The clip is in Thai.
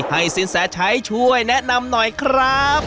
สินแสชัยช่วยแนะนำหน่อยครับ